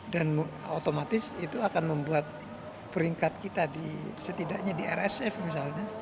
otomatis itu akan membuat peringkat kita setidaknya di rsf misalnya